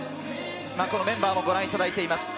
メンバーをご覧いただいています。